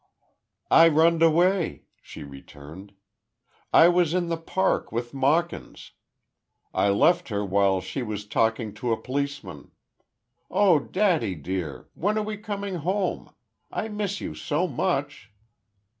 "I runned away," she returned. "I was in the Park, with Mawkins. I left her while she was talking to a p'liceman.... Oh, daddy, dear! When are we coming home? I miss you so much!"